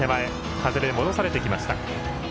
風で戻されてきました。